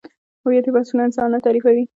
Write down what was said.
هویتي بحثونه انسان نه تعریفوي.